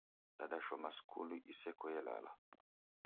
Dadashoma skulu iseko yelala